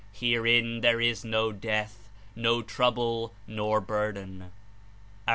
Herein there is no death, no trouble nor bur den J' (A.